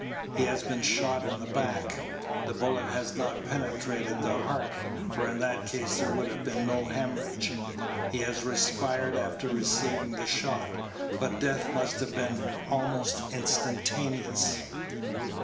"He has been shot in the back; the bullet has not penetrated the heart, for in that case there would have been no hemorrhage. He has respired after receiving the shot; but death must have been almost instantaneous."